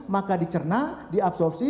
maka dicerna diabsorpsi